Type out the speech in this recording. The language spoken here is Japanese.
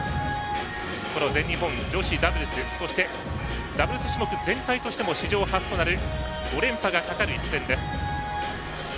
勝てば女子ダブルスそしてダブルス種目全体としても史上初となる５連覇がかかる一戦です。